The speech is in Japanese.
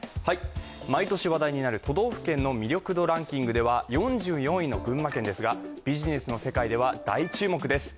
毎年話題になる都道府県の魅力度ランキングでは４４位の群馬県ですがビジネスの世界では大注目です。